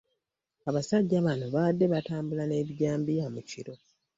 Abasajja bano babadde batambula n'ebijambiya mu kiro